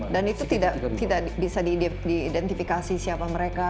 dan itu tidak bisa diidentifikasi siapa mereka